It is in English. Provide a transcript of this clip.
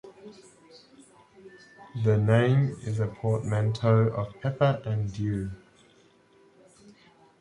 The name is a portmanteau of 'pepper' and 'dew'.